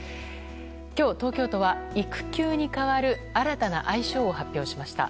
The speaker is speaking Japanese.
今日、東京都は育休に代わる新たな愛称を発表しました。